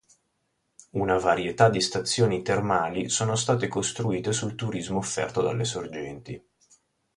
Una varietà di stazioni termali sono state costruite sul turismo offerto dalle sorgenti.